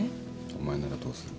お前ならどうする？